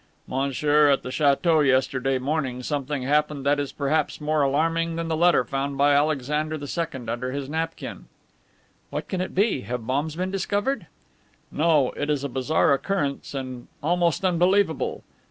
"Monsieur, at the Chateau yesterday morning something happened that is perhaps more alarming than the letter found by Alexander II under his napkin." "What can it be? Have bombs been discovered?" "No. It is a bizarre occurrence and almost unbelievable.